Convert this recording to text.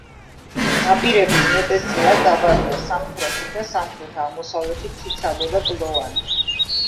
ნაპირები უმეტესწილად დაბალია, სამხრეთით და სამხრეთ-აღმოსავლეთით ციცაბო და კლდოვანი.